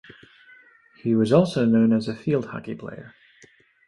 He was also known as a field hockey player.